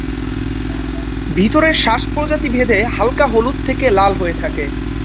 ভিতরের শাঁস প্রজাতি ভেদে হালকা হলুদ থেকে লাল হয়ে থাকে।